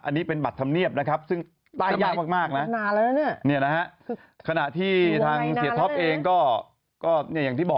อันนี้เป็นบัจถำเนียบนะครับ